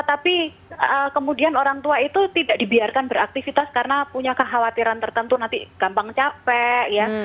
tapi kemudian orang tua itu tidak dibiarkan beraktivitas karena punya kekhawatiran tertentu nanti gampang capek ya